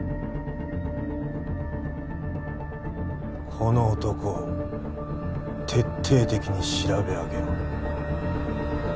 この男を徹底的に調べ上げろ。